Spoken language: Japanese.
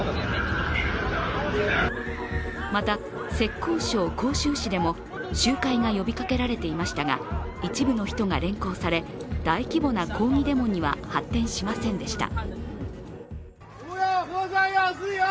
また浙江省杭州市でも集会が呼びかけられていましたが一部の人が連行され大規模な抗議デモには発展しませんでした。